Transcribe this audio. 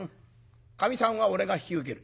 かみさんは俺が引き受ける」。